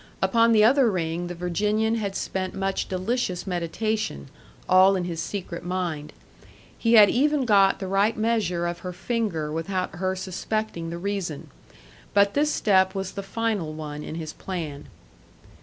Upon the other ring the Virginian had spent much delicious meditation, all in his secret mind. He had even got the right measure of her finger without her suspecting the reason. But this step was the final one in his plan.